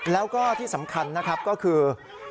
แล้วก็ที่สำคัญก็คือ